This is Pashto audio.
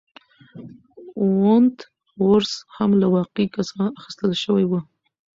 وُنت وُرث هم له واقعي کسانو اخیستل شوی و.